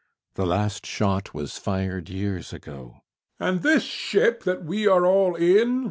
The last shot was fired years ago. HECTOR. And this ship that we are all in?